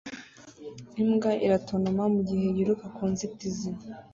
Imbwa iratontoma mugihe yiruka ku nzitizi